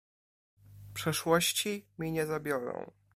"Przeszłości mi nie zabiorą."